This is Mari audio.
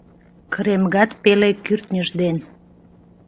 Кремгат пеле кӱртньыж ден